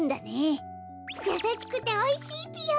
やさしくておいしいぴよ。